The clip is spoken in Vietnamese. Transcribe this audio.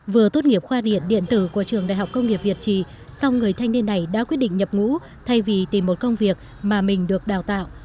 vừa tốt nghiệp khoa điện điện tử của trường đại học công nghiệp việt trì song người thanh niên này đã quyết định nhập ngũ thay vì tìm một công việc mà mình được đào tạo